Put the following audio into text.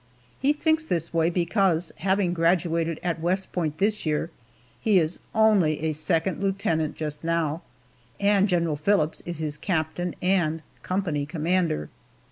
He thinks this way because, having graduated at West Point this year, he is only a second lieutenant just now, and General Phillips is his captain and company commander.